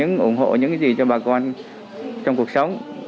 ủng hộ những gì cho bà con trong cuộc sống